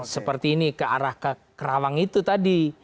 seperti ini ke arah ke kerawang itu tadi